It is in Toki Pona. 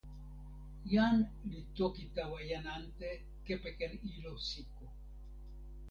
jan li toki tawa jan ante kepeken ilo Siko